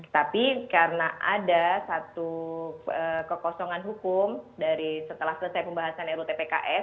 tapi karena ada satu kekosongan hukum dari setelah selesai pembahasan rutpks